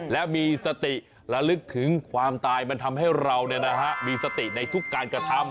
และมีสติระลึกถึงความตายมันทำให้เรามีสติในทุกการกระทำ